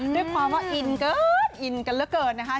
ด้วยความว่าอินเกินอินกันเหลือเกินนะคะ